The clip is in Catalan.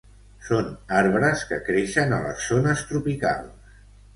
Són arbres que creixen a les zones tropicals.